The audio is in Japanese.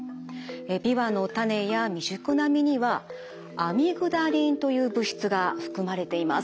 ビワの種や未熟な実にはアミグダリンという物質が含まれています。